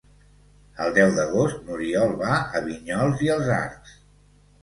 El deu d'agost n'Oriol va a Vinyols i els Arcs.